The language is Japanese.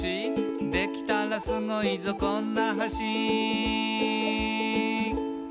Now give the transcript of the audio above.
「できたらスゴいぞこんな橋」